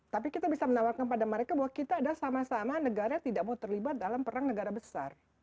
tapi kita bisa menawarkan pada mereka bahwa kita adalah sama sama negara tidak mau terlibat dalam perang negara besar